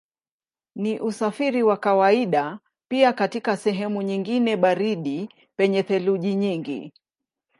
Ni usafiri wa kawaida pia katika sehemu nyingine baridi penye theluji nyingi.